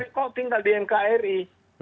kok tinggal di nkri